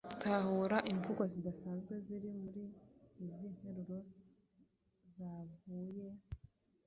Tahura imvugo zidasanzwe ziri muri izi nteruro zavuye